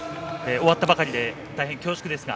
終わったばかりで大変恐縮です。